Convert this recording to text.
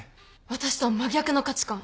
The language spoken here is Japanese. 私とは真逆の価値観。